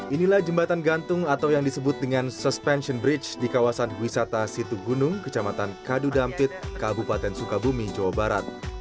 inilah jembatan gantung atau yang disebut dengan suspension bridge di kawasan wisata situ gunung kecamatan kadudampit kabupaten sukabumi jawa barat